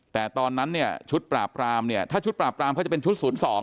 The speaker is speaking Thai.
แต่ตอนนั้นเนี่ยชุดปราบปรามเนี่ยถ้าชุดปราบปรามเขาจะเป็นชุด๐๒